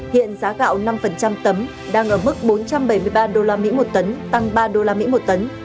hiện giá gạo năm tấm đang ở mức bốn trăm bảy mươi ba usd một tấn tăng ba usd một tấn